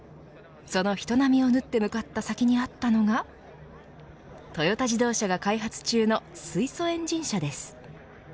その人波をぬって向かった先にあったのがトヨタ自動車が開発中の水素エンジン車です。